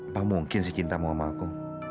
apa mungkin sih cintamu sama aku